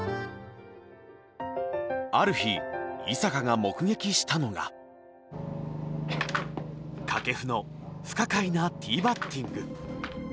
ある日井坂が目撃したのが掛布の不可解なティーバッティング。